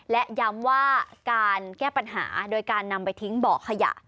และย้ำว่าการแก้ปัญหาโดยการนำไปทิ้งบ่อขยะ